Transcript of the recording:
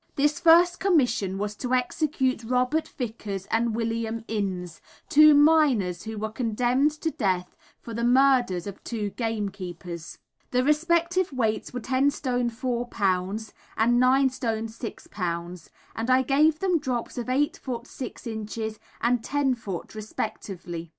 This first commission was to execute Robert Vickers and William Innes, two miners who were condemned to death for the murder of two game keepers. The respective weights were 10 stone 4 lbs. and 9 stone 6 lbs., and I gave them drops of 8 ft. 6 in. and 10 ft. respectively.